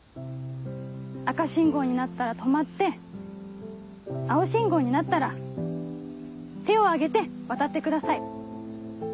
赤信号になったら止まって青信号になったら手を上げて渡ってください。